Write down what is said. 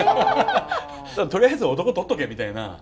とりあえず男採っとけみたいな。